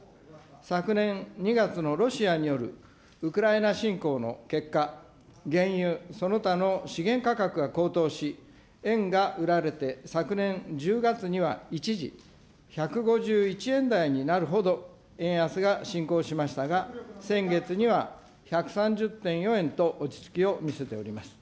昨年２月のロシアによるウクライナ侵攻の結果、原油その他の資源価格が高騰し、円が売られて、昨年１０月には一時１５１円台になるほど円安が進行しましたが、先月には１３０．４円と、落ち着きを見せております。